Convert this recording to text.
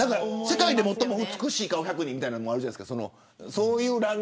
世界で最も美しい顔１００人とかもあるじゃないですか。